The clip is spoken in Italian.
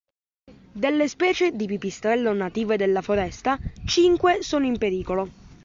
Delle specie di pipistrello native della foresta, cinque sono in pericolo.